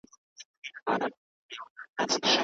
هغه څه ووایئ چې کوئ یې.